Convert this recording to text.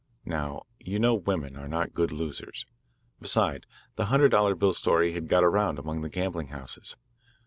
Now, you know women are not good losers. Besides, the hundred dollar bill story had got around among the gambling houses.